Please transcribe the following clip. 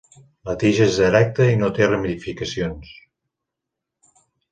La tija és erecta i no té ramificacions.